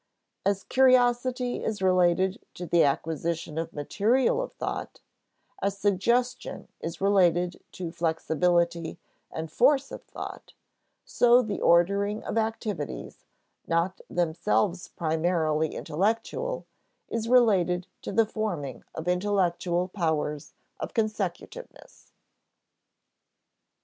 As curiosity is related to the acquisition of material of thought, as suggestion is related to flexibility and force of thought, so the ordering of activities, not themselves primarily intellectual, is related to the forming of intellectual powers of consecutiveness.